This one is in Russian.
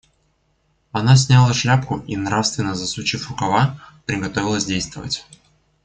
Она сняла шляпку и, нравственно засучив рукава, приготовилась действовать.